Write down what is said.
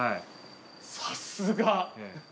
さすが。